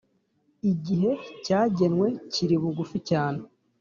igihe cyagenwe kiri bugufi cyane